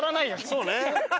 そうね。